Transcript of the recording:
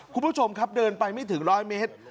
คุณผู้ชมครับเดินไปไม่ถึง๑๐๐เมตร